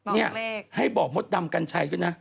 นี่ให้บอกมดดำกัญชัยด้วยนะ